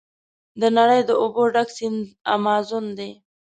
د نړۍ د اوبو ډک سیند امازون دی.